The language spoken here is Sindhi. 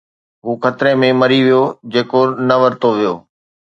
هو خطري ۾ مري ويو جيڪو نه ورتو ويو